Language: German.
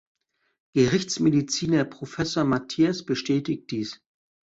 Gerichtsmediziner Professor Matthias bestätigt dies.